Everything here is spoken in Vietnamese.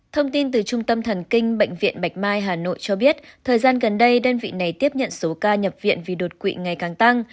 thông tin từ trung tâm thần kinh bệnh viện bạch mai hà nội cho biết thời gian gần đây đơn vị này tiếp nhận số ca nhập viện vì đột quỵ ngày càng tăng